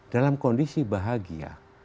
dalam kondisi bahagia